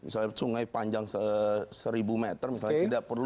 sungai panjang seribu meter